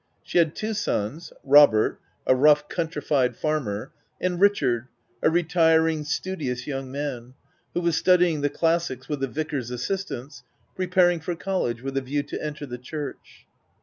She had two sons, Robert, a rough countrified farmer, and Richard, a retiring, studi ous young man, who was studying the classics with the vicar's assistance, preparing for college, with a view to enter the church.